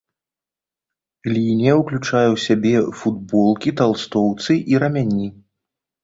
Лінія ўключае ў сябе футболкі, талстоўцы і рамяні.